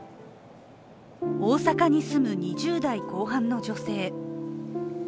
大阪に住む２０代後半の女性。